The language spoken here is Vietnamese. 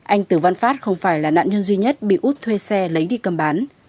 anh tử văn phát không phải là nạn nhân duy nhất bị út thuê xe lấy đi cầm bán